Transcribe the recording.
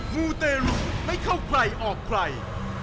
มูเตรุไม่เข้าใครออกใคร